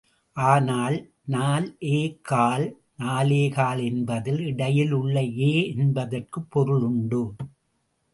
ஆனால், நால் ஏ கால் நாலேகால் என்பதில், இடையில் உள்ள ஏ என்பதற்குப் பொருள் உண்டு.